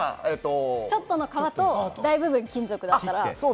ちょっとの革と大部分が金属だったら？